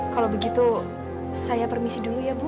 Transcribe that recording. kalau begitu saya permisi dulu ya bu